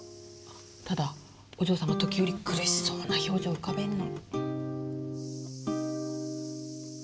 ただお嬢様時折苦しそうな表情を浮かべるの。